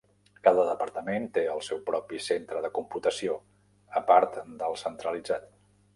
Cada departament té el seu propi centre de computació, a part del centralitzat.